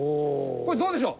これどうでしょう？